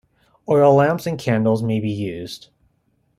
Oil lamps or candles may be used.